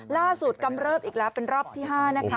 กำเริบอีกแล้วเป็นรอบที่๕นะคะ